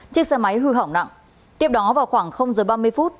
chiếc xe máy hư hỏng nặng tiếp đó vào khoảng giờ ba mươi phút